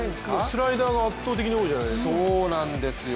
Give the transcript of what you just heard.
スライダーが圧倒的に多いじゃないですか。